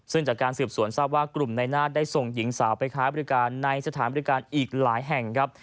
ซึ่งจากการสืบสวนทราบว่ากลุ่มนายนาฏได้ส่งหญิงสาวไปค้าบริการในสถานบริการอีกหลายแห่งครับ